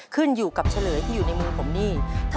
ขึ้นอยู่กับเฉลยที่อยู่ในมือผมนี่